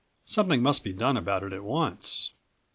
47 Something must be done about it at once!